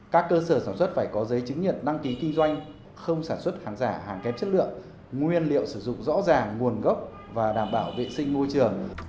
các cơ sở sản xuất phải có giấy chứng nhận đăng ký kinh doanh không sản xuất hàng giả hàng kém chất lượng nguyên liệu sử dụng rõ ràng nguồn gốc và đảm bảo vệ sinh môi trường